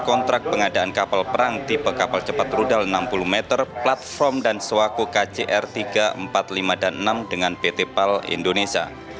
kontrak pengadaan kapal perang tipe kapal cepat rudal enam puluh meter platform dan sewaku kcr tiga ratus empat puluh lima dan enam dengan pt pal indonesia